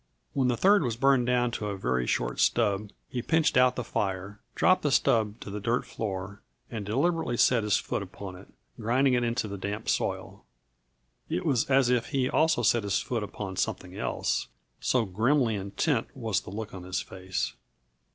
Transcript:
When the third was burned down to a very short stub he pinched out the fire, dropped the stab to the dirt floor and deliberately set his foot upon it, grinding it into the damp soil. It was as if he also set his foot upon something else, so grimly intent was the look on his face.